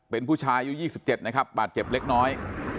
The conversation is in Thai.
เป็นผู้ชายอายุ๒๗นะครับบาดเจ็บเล็กน้อย